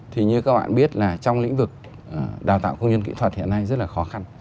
thì như các bạn biết là trong lĩnh vực đào tạo công nhân kỹ thuật hiện nay rất là khó khăn